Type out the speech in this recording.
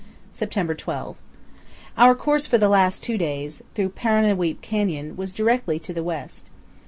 September 12. Our course for the last two days, through Paru'nuweap Canyon, was directly to the west.